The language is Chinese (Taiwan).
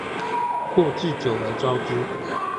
或置酒而招之